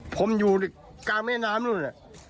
ผมอยู่กลางแม่น้ำนู่น